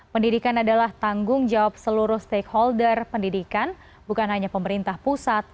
pendidikan adalah tanggung jawab seluruh stakeholder pendidikan bukan hanya pemerintah pusat